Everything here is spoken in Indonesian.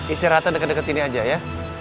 istirahatnya dekat dekat sini aja ya